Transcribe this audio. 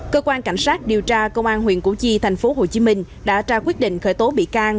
cơ quan cảnh sát điều tra công an huyện cụ chi thành phố hồ chí minh đã ra quyết định khởi tố bị can